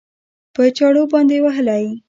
په چاړو باندې وهلى؟